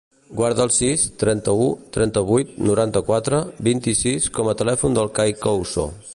Guarda el sis, trenta-u, trenta-vuit, noranta-quatre, vint-i-sis com a telèfon del Kai Couso.